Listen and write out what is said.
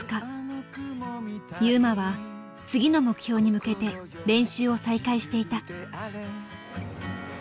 優真は次の目標に向けて練習を再開していた。